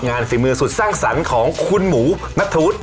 งานฝีมือสุดสรรค์สรรค์ของคุณหมูณทุศ